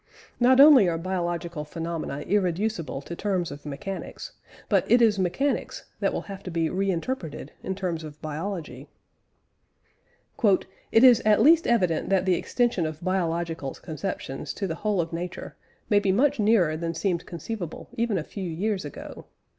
Not only are biological phenomena irreducible to terms of mechanics, but it is mechanics that will have to be re interpreted in terms of biology. "It is at least evident that the extension of biological conceptions to the whole of nature may be much nearer than seemed conceivable even a few years ago.